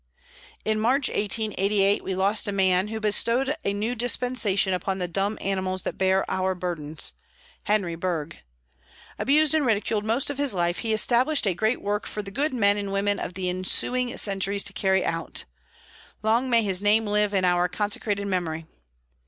In March, 1888, we lost a man who bestowed a new dispensation upon the dumb animals that bear our burdens Henry Bergh. Abused and ridiculed most of his life, he established a great work for the good men and women of the ensuing centuries to carry out. Long may his name live in our consecrated memory.